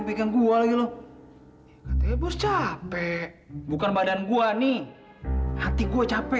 pegang gua lagi loh capek bukan badan gua nih hati gua capek